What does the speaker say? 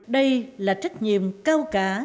đây là trách nhiệm cao cả